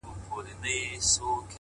ما له یوې هم یوه ښه خاطره و نه لیده”